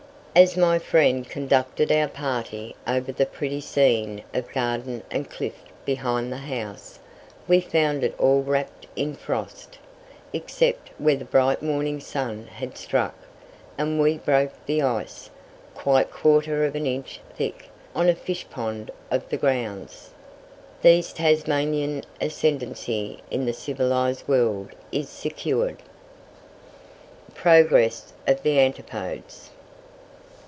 As my friend conducted our party over the pretty scene of garden and cliff behind the house, we found it all wrapped in frost, except where the bright morning sun had struck, and we broke the ice, quite quarter of an inch thick, on a fishpond of the grounds. Thus Tasmanian ascendancy in the civilized world is secured. PROGRESS OF THE ANTIPODES.